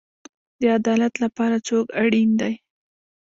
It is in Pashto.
د عدالت لپاره څوک اړین دی؟